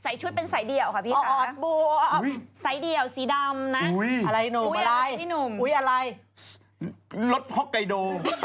ใส่ชุดเป็นสายเดี่ยวค่ะพี่คะสายเดี่ยวสีดำนะอุ๊ยอะไรรถฮอกไกโด